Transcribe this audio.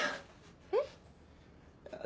えっ？